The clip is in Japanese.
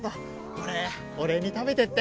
これおれいに食べてって。